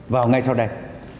vào ngay sau đây